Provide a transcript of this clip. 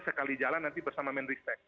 sekali jalan nanti bersama menristek